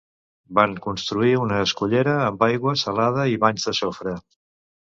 Van construir una escullera, amb aigua salada i banys de sofre.